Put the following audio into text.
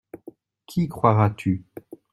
Qui croiras-tu ?